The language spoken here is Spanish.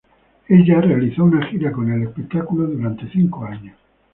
Ella realizó una gira con el espectáculo durante cinco años.